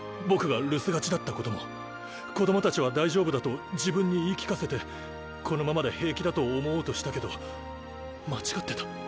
僕が留守がちだったことも子供たちは大丈夫だと自分に言い聞かせてこのままで平気だと思おうとしたけど間違ってた。